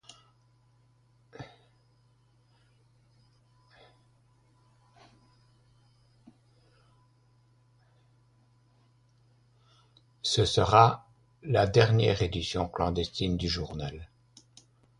Ce sera la dernière édition clandestine du journal.